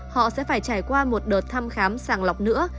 họ sẽ phải trải qua một đợt thăm khám sàng lọc nữa